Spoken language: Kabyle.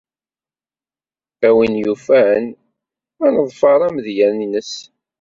A win yufan ad neḍfer amedya-nnes.